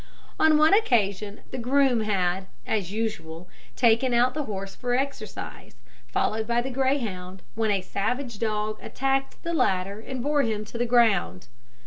On one occasion the groom had, as usual, taken out the horse for exercise, followed by the greyhound, when a savage dog attacked the latter and bore him to the ground.